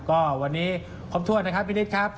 ก็วันนี้ครบถ้วนนะครับพี่นิดครับ